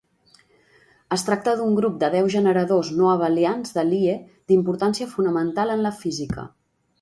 Es tracta d'un grup de deu generadors no abelians de Lie d'importància fonamental en la física.